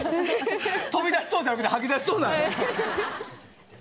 「飛び出しそう」じゃなくて「吐き出しそう」なんや。